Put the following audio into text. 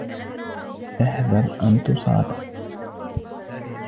احْذَرْ أَنْ تُصَادَ